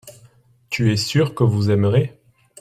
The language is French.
tu es sûr que vous aimerez.